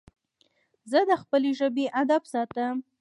زه د خپلي ژبي ادب ساتم.